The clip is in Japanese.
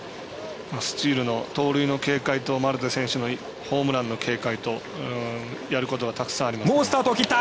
スチールの、盗塁の警戒とマルテ選手のホームランの警戒とやることはたくさんあります。